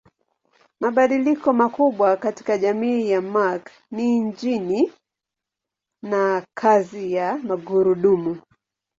Mabadiliko makubwa katika jamii ya Mark ni injini na kazi ya magurudumu.